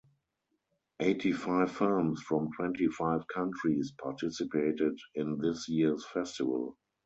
Eighty five films from twenty five countries participated in this year’s festival.